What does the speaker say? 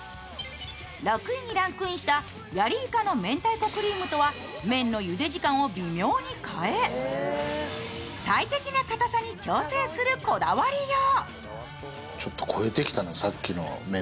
６位にランクインしたヤリイカの明太子クリームとは麺のゆで時間を微妙に変え最適なかたさに挑戦するこだわりよう。